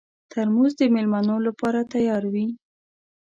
ترموز د مېلمنو لپاره تیار وي.